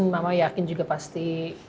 mama yakin juga pasti